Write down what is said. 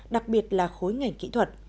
đặc biệt là khối ngành kỹ thuật